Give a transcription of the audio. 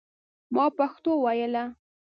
ما پښتو ویله.